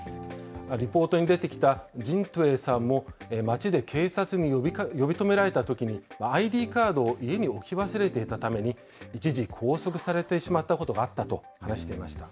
リポートに出てきたジン・トゥエーさんも、町で警察に呼び止められたときに、ＩＤカードを家に置き忘れていたために、一時、拘束されてしまったことがあったと話していました。